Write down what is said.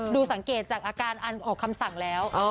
ดูสังเกตการดไปออกคำสั่งแล้ว